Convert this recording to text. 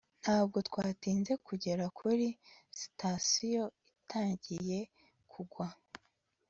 ntabwo twatinze kugera kuri sitasiyo itangiye kugwa